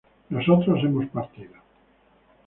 nosotros hemos partido